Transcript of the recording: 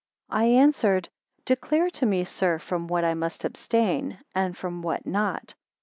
2 I answered, Declare to me, sir, from what I must abstain, and from what not.